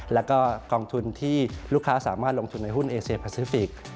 แล้วก็กองทุนที่ลูกค้าสามารถลงทุนในหุ้นเอเซียแพซิฟิกส์